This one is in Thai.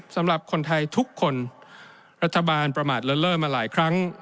สำหรับคนไทยทุกคนรัฐบาลประมาทเลิศเล่อมาหลายครั้ง